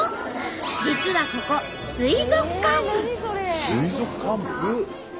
実はここ水族館部？